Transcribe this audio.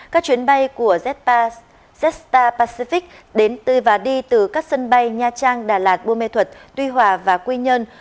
các chuyến bay của jetstar pacific đến tư và đi từ các sân bay nha trang đà lạt bua mê thuật tuy hòa và quy nhân